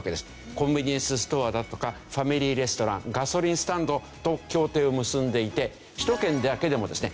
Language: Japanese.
コンビニエンスストアだとかファミリーレストランガソリンスタンドと協定を結んでいて首都圏だけでもですね